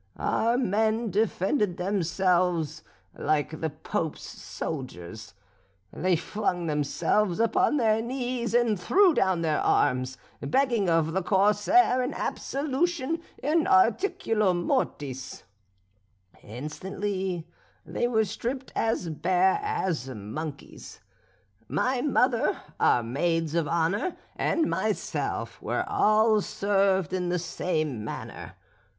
Our men defended themselves like the Pope's soldiers; they flung themselves upon their knees, and threw down their arms, begging of the corsair an absolution in articulo mortis. "Instantly they were stripped as bare as monkeys; my mother, our maids of honour, and myself were all served in the same manner.